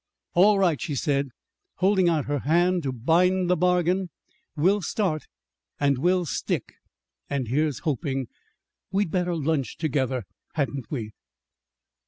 "All right," she said, holding out her hand to bind the bargain. "We'll start and we'll stick. And here's hoping! We'd better lunch together, hadn't we?"